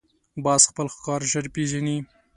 باز خپل ښکار ژر پېژني